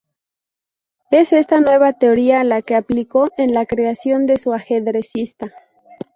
Es esta nueva teoría la que aplicó en la creación de su Ajedrecista.